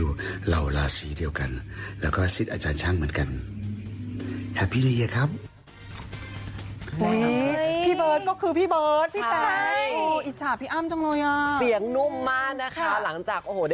ดูสิคะซุปตาเขาห่วงใหญ่กันรู้สุขภาพกันนะคะ